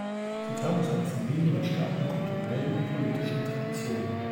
Sie kam aus einer Familie mit starken kulturellen und politischen Traditionen.